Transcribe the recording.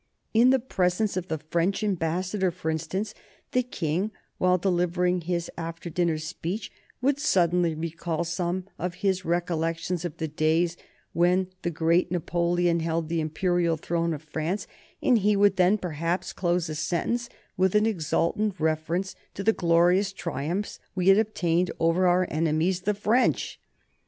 In the presence of the French Ambassador, for instance, the King, while delivering his after dinner speech, would suddenly recall some of his recollections of the days when the great Napoleon held the Imperial throne of France, and he would then, perhaps, close a sentence with an exultant reference to the glorious triumphs we had obtained over our enemies the French.